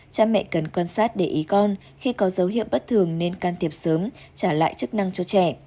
cha mẹ cần quan sát để ý con khi có dấu hiệu bất thường nên can thiệp sớm trả lại chức năng cho trẻ